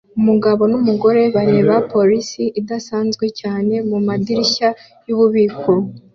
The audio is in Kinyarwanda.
Umugabo numugore bareba police idasanzwe cyane mumadirishya yububiko